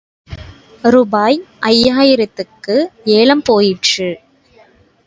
ரூபாய் ஐயாயிரத்துக்கு ஏலம் போயிற்று.